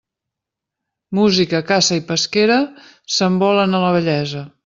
Música, caça i pesquera, se'n volen a la vellesa.